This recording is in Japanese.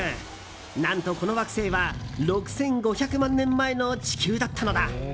何と、この惑星は６５００万年前の地球だったのだ。